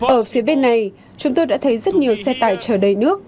ở phía bên này chúng tôi đã thấy rất nhiều xe tải chở đầy nước